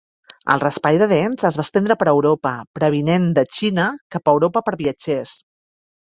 El raspall de dents es va estendre per Europa, previnent e Xina cap Europa per viatgers.